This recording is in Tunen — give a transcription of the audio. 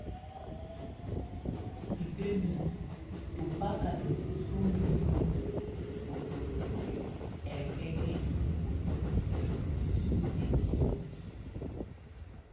Bikəniniə́ tɔ baka na wəsu muinəniə ubotolokiə enguenŋɛ ibóo nisuki niom.